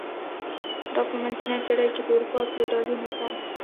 دا په منځنۍ پېړۍ کې د اروپا فیوډالي نظام و.